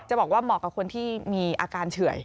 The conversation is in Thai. บอกว่าเหมาะกับคนที่มีอาการเฉื่อย